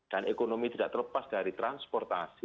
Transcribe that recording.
dan ekonomi tidak terlepas dari transportasi